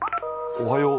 おはよう。